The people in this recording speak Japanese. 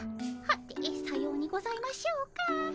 はてさようにございましょうか。